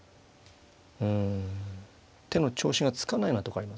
うん手の調子がつかないようなとこありますね。